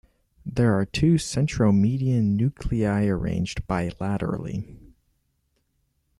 There are two centromedian nuclei arranged bilaterally.